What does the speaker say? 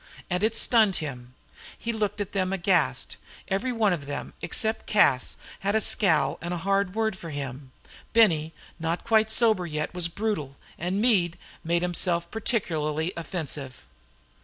And it stunned him. He looked at them aghast. Every one of them, except Cas, had a scowl and hard word for him. Benny, not quite sober yet, was brutal, and Meade made himself particularly offensive.